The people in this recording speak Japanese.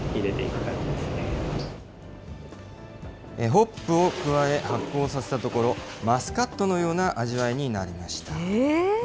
ホップを加え、発酵させたところ、マスカットのような味わいになりました。